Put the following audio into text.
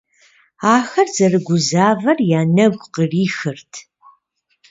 Ахэр зэрыгузавэр я нэгу кърихырт.